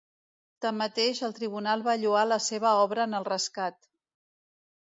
Tanmateix, el tribunal va lloar la seva obra en el rescat.